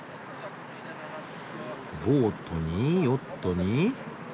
ボートにヨットに。